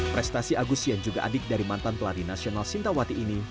prestasi agus yang juga adik dari mantan pelari nasional sintawati ini